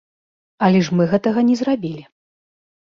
Але ж мы гэтага не зрабілі.